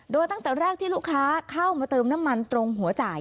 โดยตั้งแต่แรกที่ลูกค้าเข้ามาเติมน้ำมันตรงหัวจ่าย